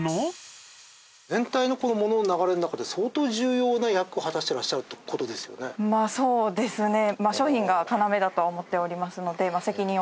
全体の物の流れの中で相当重要な役を果たしていらっしゃるって事ですよね。